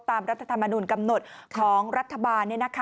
รัฐธรรมนุนกำหนดของรัฐบาล